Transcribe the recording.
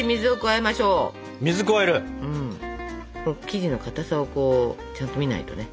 生地のかたさをこうちゃんと見ないとね。